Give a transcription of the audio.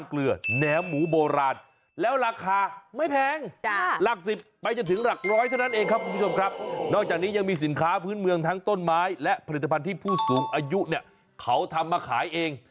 นอกจากนี้ยังมีสินค้าพื้นเมืองทั้งต้นไม้และผลิตภัณฑ์ที่ผู้สูงอายุเนี่ยเขาทำมาขายเอง